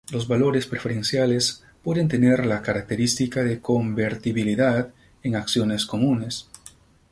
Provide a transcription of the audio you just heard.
Los valores preferenciales pueden tener la característica de convertibilidad en acciones comunes.